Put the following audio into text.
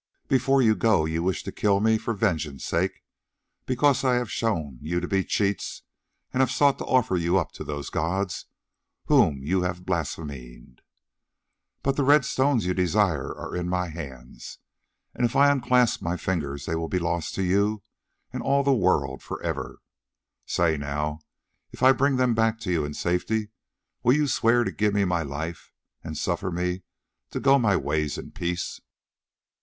But before you go you wish to kill me for vengeance' sake, because I have shown you to be cheats, and have sought to offer you up to those gods whom you have blasphemed. But the red stones you desire are in my hands, and if I unclasp my fingers they will be lost to you and all the world for ever. Say now, if I bring them back to you in safety, will you swear to give me my life and suffer me to go my ways in peace?"